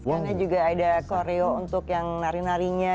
karena juga ada koreo untuk yang nari narinya